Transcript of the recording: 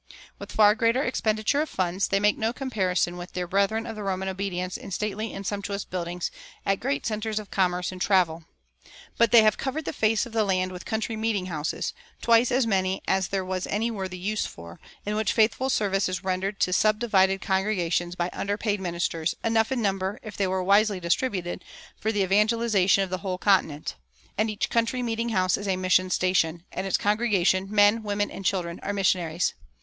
With far greater expenditure of funds, they make no comparison with their brethren of the Roman obedience in stately and sumptuous buildings at great centers of commerce and travel. But they have covered the face of the land with country meeting houses, twice as many as there was any worthy use for, in which faithful service is rendered to subdivided congregations by underpaid ministers, enough in number, if they were wisely distributed, for the evangelization of the whole continent; and each country meeting house is a mission station, and its congregation, men, women, and children, are missionaries.